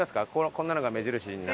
こんなのが目印になるよ。